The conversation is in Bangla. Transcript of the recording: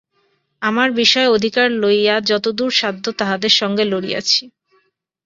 আমার বিষয়ের অধিকার লইয়া যতদূর সাধ্য তাহাদের সঙ্গে লড়িয়াছি।